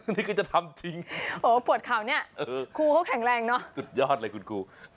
นี่ก็จะทำจริงโอ้ปวดเข่าเนี่ยครูเขาแข็งแรงเนอะสุดยอดเลยคุณครู